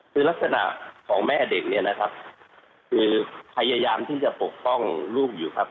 คือลักษณะของแม่เด็กเนี่ยนะครับคือพยายามที่จะปกป้องลูกอยู่ครับ